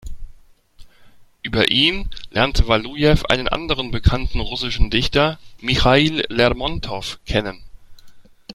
Über ihn lernte Walujew einen anderen bekannten russischen Dichter, Michail Lermontow, kennen.